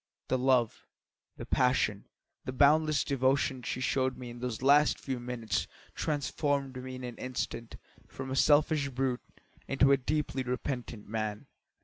The love, the passion, the boundless devotion she showed in those last few minutes transformed me in an instant from a selfish brute into a deeply repentant man.